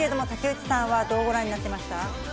竹内さんはどうご覧になっていました。